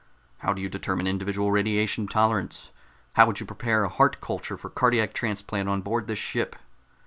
How do you determine individual radiation tolerance? How would you prepare a heart culture for cardiac transplant on board this ship?"